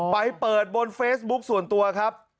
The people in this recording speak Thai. ไปเปิดบนเฟซบุ๊คส่วนตัวครับ